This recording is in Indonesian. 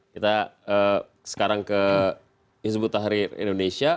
kita sekarang ke hizbut tahrir indonesia